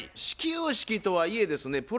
始球式とはいえですね